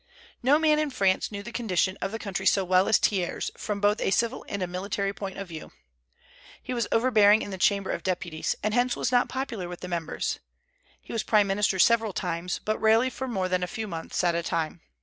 No man in France knew the condition of the country so well as Thiers, from both a civil and a military point of view. He was overbearing in the Chamber of Deputies, and hence was not popular with the members. He was prime minister several times, but rarely for more than a few months at a time.